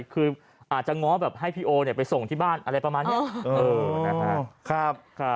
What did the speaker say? คืออาจจะง้อแบบให้พี่โอไปส่งที่บ้านอะไรประมาณนี้